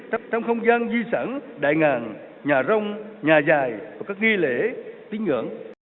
trong không gian di sản đại ngàn nhà rong nhà dài và các nghi lễ tính ngưỡng